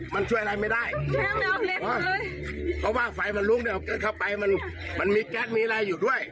เพราะว่าไฟมันลุกอย่างเงี้ย